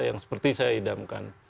yang seperti saya idamkan